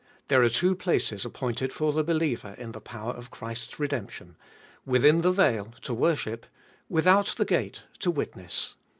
There are two places appointed for the believer in the power of Christ's redemption — within the veil, to worship ; without the gate, to witness.